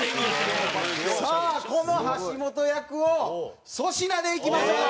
さあこの橋本役を粗品でいきましょう。